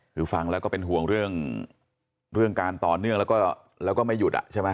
คือฟังแล้วก็เป็นห่วงเรื่องการต่อเนื่องแล้วก็ไม่หยุดใช่ไหม